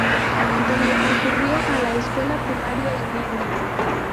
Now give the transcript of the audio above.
Donde concurrió a la escuela primaria y media.